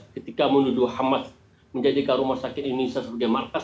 ketika menuduh hamas menjadikan rumah sakit indonesia sebagai markas